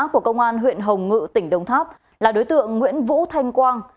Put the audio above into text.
của công an huyện hồng ngự tỉnh đồng tháp là đối tượng nguyễn vũ thanh quang